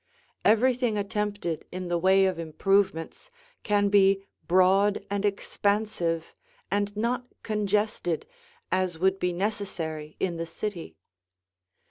Everything attempted in the way of improvements can be broad and expansive and not congested, as would be necessary in the city.